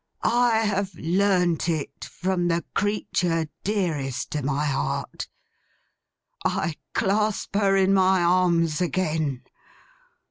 I have learnt it from the creature dearest to my heart. I clasp her in my arms again.